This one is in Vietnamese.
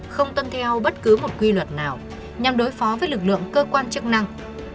không tuân theo bất cứ một quy luật nào nhằm đối phó với lực lượng cơ quan chức năng